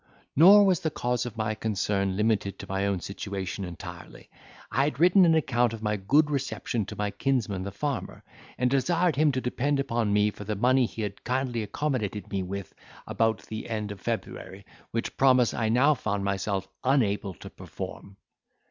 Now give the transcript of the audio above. Nor was the cause of my concern limited to my own situation entirely: I had written an account of my good reception to my kinsman the farmer, and desired him to depend upon me for the money he had kindly accommodated me with about the end of February, which promise I now found myself unable to perform.